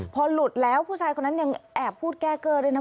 พอหลุดแล้วผู้ชายคนนั้นยังแอบพูดแก้เกอร์ด้วยนะ